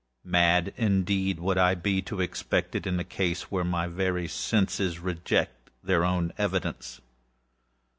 Mad indeed would I be to expect it, in a case where my very senses reject their own evidence.